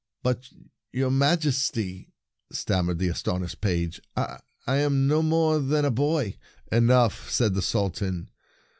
" But, your Majesty," stam mered the astonished page, " I am no more than a boy !"" Enough !" said the Sultan.